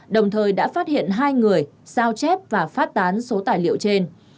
đồng thời đã phát hiện hai người sao chép và phát tán số tài liệu trên